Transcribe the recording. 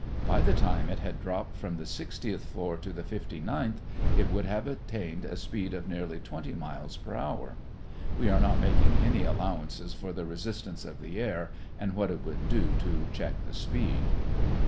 By the time it had dropped from the sixtieth story to the fifty ninth it would have attained a speed of nearly 20 miles per hour. (We are not making any allowances for the resistance of the air and what it would do to check the speed.)